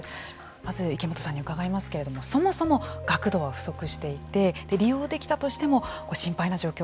まず池本さんに伺いますけどもそもそも学童が不足していて利用できたとしても心配な状況